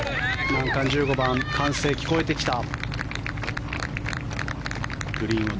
難関１５番歓声が聞こえてきた。